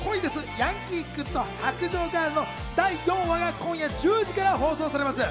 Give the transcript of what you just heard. ヤンキー君と白杖ガール』の第４話が今夜１０時から放送されます。